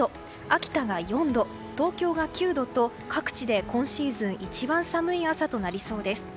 秋田が４度、東京が９度と各地で今シーズンで一番寒い朝となりそうです。